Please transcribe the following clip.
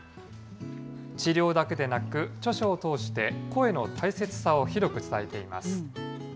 治療だけでなく、著書を通して、声の大切さを広く伝えています。